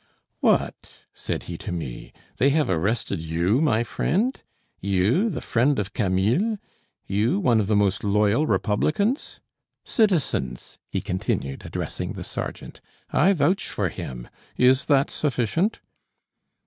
"What!" said he to me; "they have arrested you, my friend? You, the friend of Camilles you, one of the most loyal republicans? Citizens," he continued, addressing the sergeant, "I vouch for him. Is that sufficient?"